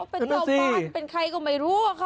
เป็นชาวบ้านเป็นใครก็ไม่รู้อะค่ะ